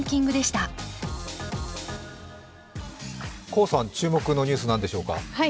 高さん、注目のニュース何でしょうか？